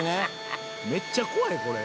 「めっちゃ怖い。これ」「」